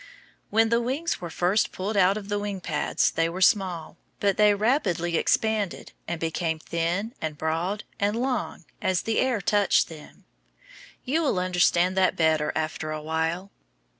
When the wings were first pulled out of the wing pads they were small, but they rapidly expanded and became thin and broad and long as the air touched them. You will understand that better after a while.